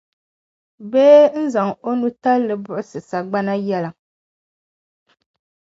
bee n-zaŋ o nutali buɣisi sagbana yɛliŋ.